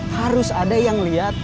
harus ada yang liat